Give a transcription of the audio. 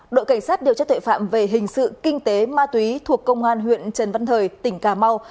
đội cảnh sát điều tra tuệ phạm về hình sự kinh tế ma túy thuộc công an huyện trần văn thời tỉnh cà mau